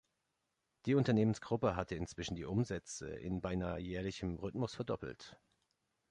Die Unternehmensgruppe hatte inzwischen die Umsätze in beinahe jährlichem Rhythmus verdoppelt.